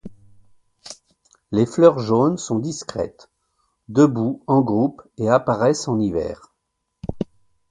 Les fleurs jaunes sont discrètes, debout en groupes et apparaissent en hiver.